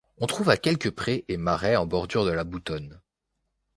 On trouve quelques prés et marais en bordure de la Boutonne.